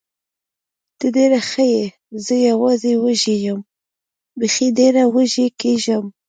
ته ډېره ښه یې، زه یوازې وږې یم، بېخي ډېره وږې کېږم.